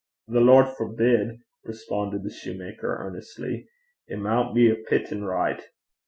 'The Lord forbid,' responded the soutar earnestly. 'It maun be a' pitten richt.